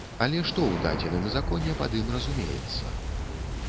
Але што ў дадзеным законе пад ім разумеецца?